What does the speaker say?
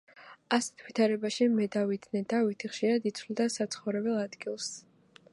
ასეთ ვითარებაში მედავითნე დავითი ხშირად იცვლიდა საცხოვრებელ ადგილს.